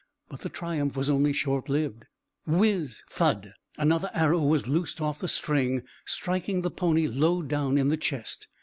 But the triumph was only short lived. Whizz thud, another arrow was loosed off from the string, striking the pony low down in the chest.